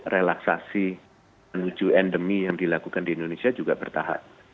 relaksasi menuju endemi yang dilakukan di indonesia juga bertahap